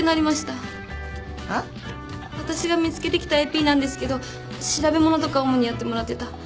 私が見つけてきたＡＰなんですけど調べものとか主にやってもらってた。